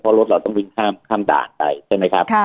เพราะรถเราต้องวิ่งข้ามด่านไปใช่ไหมครับ